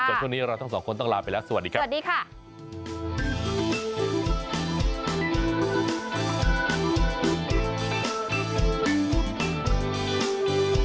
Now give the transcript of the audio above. จนทุกวันนี้เราทั้งสองคนต้องลาไปแล้วสวัสดีค่ะ